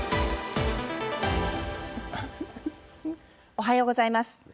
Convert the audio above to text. おはようございます。